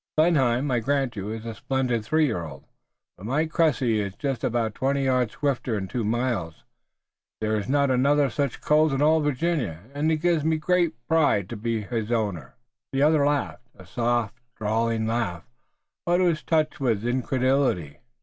Blenheim, I grant you, is a splendid three year old, but my Cressy is just about twenty yards swifter in two miles. There is not another such colt in all Virginia, and it gives me great pride to be his owner." The other laughed, a soft drawling laugh, but it was touched with incredulity.